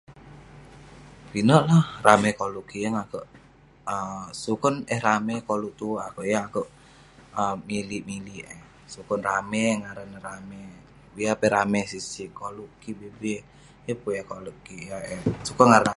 Pinek lah ramey koluk kik, yeng akouk...sukon eh ramey, koluk tuwerk akouk, yeng akouk um milik milik eh, sukon ramey..ngaran neh ramey..biar peh ramey sik sik, koluk kik bi bi, yeng pun yah kolek kik yah eh....sukon ngaran neh ramey